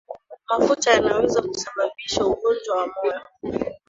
mafuta yanaweza kusababisha ugonjwa wa moyo